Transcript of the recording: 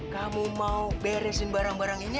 kamu mau beresin barang barang ini